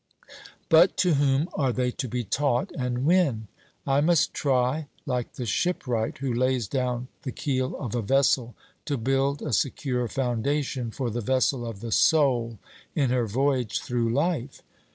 But to whom are they to be taught, and when? I must try, like the shipwright, who lays down the keel of a vessel, to build a secure foundation for the vessel of the soul in her voyage through life.